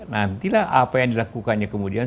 nantilah apa yang dilakukannya kemudian